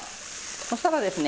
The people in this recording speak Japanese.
そしたらですね